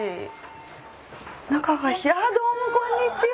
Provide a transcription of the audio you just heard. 中がどうもこんにちは！